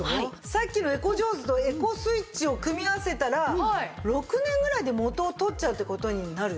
さっきのエコジョーズとエコスイッチを組み合わせたら６年ぐらいで元を取っちゃうって事になる？